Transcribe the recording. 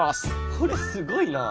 これすごいな！